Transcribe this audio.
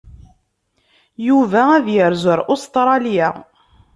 Yuba ad yerzu ar Ustṛalya.